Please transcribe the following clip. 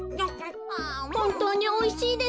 ほんとうにおいしいです。